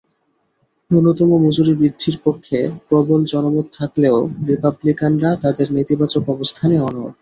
ন্যূনতম মজুরি বৃদ্ধির পক্ষে প্রবল জনমত থাকলেও রিপাবলিকানরা তাদের নেতিবাচক অবস্থানে অনড়।